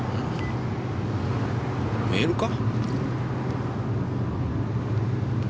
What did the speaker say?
メールか？